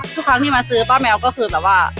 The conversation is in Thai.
ทุกครั้งที่มาซื้อป้าแมวก็คือแบบว่า